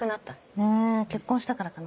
ねぇ結婚したからかな。